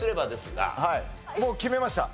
はいもう決めました。